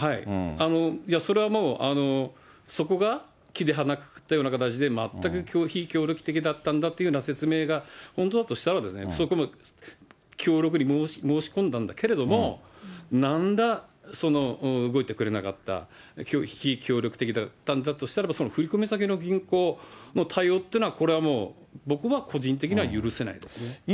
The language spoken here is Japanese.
それはもう、そこが木で鼻くくったような形で、全く非協力的だったんだという説明が本当だとしたら、そこはもう強力に申し込んだんだけれども、なんら動いてくれなかった、非協力的だったんだとしたならば、その振り込み先の銀行の対応っていうのは、これはもう、僕は個人的には許せないですね。